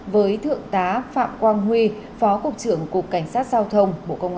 với thượng tá phạm quang huy phó cục trưởng cục cảnh sát giao thông bộ công an